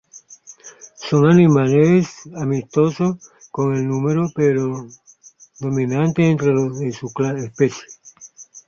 Son animales amistosos con el humano pero dominantes entre los de su especie.